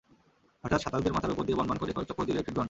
হঠাৎ সাঁতারুদের মাথার ওপর দিয়ে বনবন করে কয়েক চক্কর দিল একটি ড্রোন।